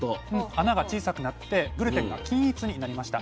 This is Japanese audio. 穴が小さくなってグルテンが均一になりました。